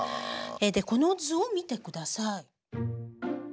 でこの図を見てください。